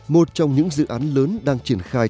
một trong những dự án lớn đang triển khai